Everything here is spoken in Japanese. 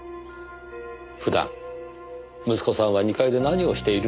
普段息子さんは２階で何をしているのでしょう？